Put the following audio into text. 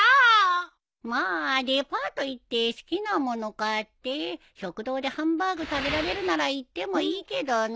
まあデパート行って好きな物買って食堂でハンバーグ食べられるなら行ってもいいけどな。